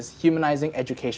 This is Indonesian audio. menghubungkan pendidikan melalui ai